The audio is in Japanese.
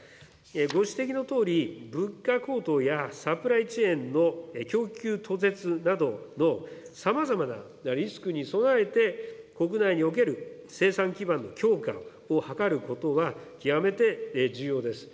ご指摘のとおり、物価高騰やサプライチェーンの供給途絶などのさまざまなリスクに備えて、国内における生産基盤の強化を図ることが極めて重要です。